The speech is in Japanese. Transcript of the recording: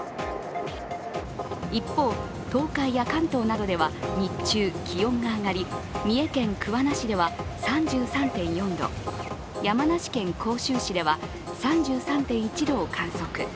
一方、東海や関東などでは日中気温が上がり三重県桑名市では３３．４度、山梨県甲州市では３３．１度を観測。